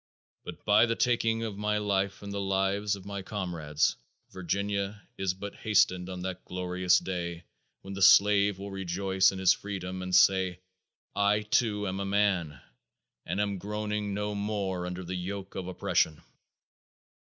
But by the taking of my life and the lives of my comrades, Virginia is but hastening on that glorious day, when the slave will rejoice in his freedom and say, "I, too, am a man, and am groaning no more under the yoke of oppression."